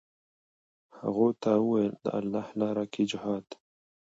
هغو ورته وویل: د الله لاره کې جهاد.